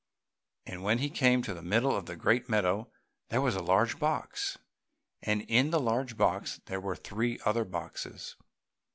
And when he came to the middle of the great meadow there was a large box, and in the large box were three other boxes.